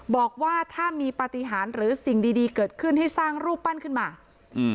บอกว่าถ้ามีปฏิหารหรือสิ่งดีดีเกิดขึ้นให้สร้างรูปปั้นขึ้นมาอืม